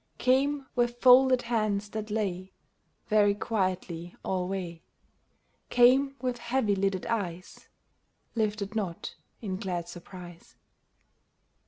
Came with folded hands that lay Very quietly alway — Came with heavy lidded eyes, Lifted not in glad surprise.